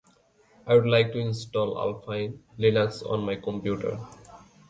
I would like to install Alpine Linux on my computer.